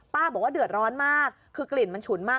บอกว่าเดือดร้อนมากคือกลิ่นมันฉุนมาก